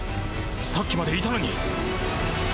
さっきまでいたのに！